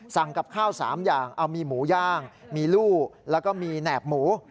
กับข้าว๓อย่างเอามีหมูย่างมีลู่แล้วก็มีแหนบหมู